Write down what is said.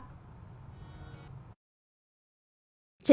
chế rừng tại australia